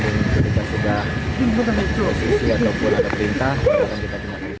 diplacur lebih mulia daripada anggota dewan